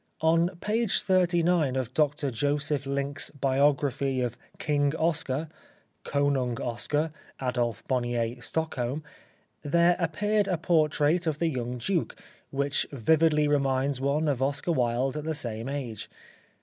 On page 39 of Dr Josef Linck's biography of '' King Oscar" (" Konung Oscar/' Adolf Bonnier, Stockholm) there appeared a portrait of the young duke, which vividly reminds one of Oscar Wilde at the same age.